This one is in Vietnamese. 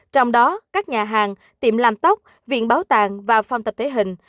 trong đó các nhà hàng tiệm làm tóc viện bảo tàng và phòng tập thể hình